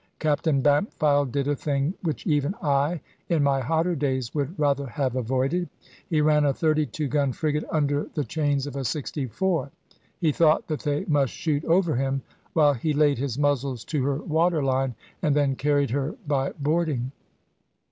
Captain Bampfylde did a thing, which even I, in my hotter days, would rather have avoided. He ran a thirty two gun frigate under the chains of a sixty four. He thought that they must shoot over him, while he laid his muzzles to her water line, and then carried her by boarding.